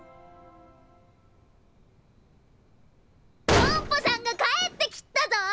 ポンポさんがかえってきったぞ！